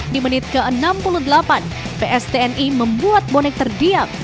di menit ke enam puluh delapan pstni membuat bonek terdiam